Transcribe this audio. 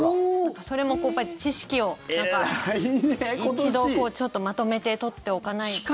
それも知識を一度まとめて取っておかないと。